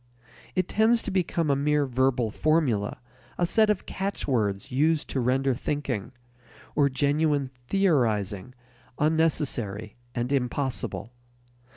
It tends to become a mere verbal formula, a set of catchwords used to render thinking, or genuine theorizing, unnecessary and impossible.